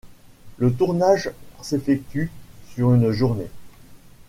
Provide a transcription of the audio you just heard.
Le tournage s'effectue sur une journée.